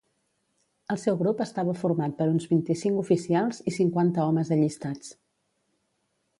El seu grup estava format per uns vint-i-cinc oficials i cinquanta homes allistats.